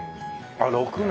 あっ６年。